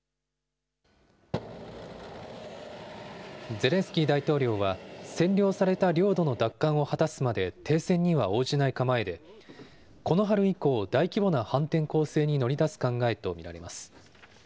ゼレンスキー大統領は、占領された領土の奪還を果たすまで停戦には応じない構えで、この春以降、大規模な反転攻勢に乗り出す考えと見られます。